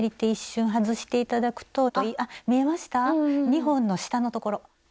２本の下のところ。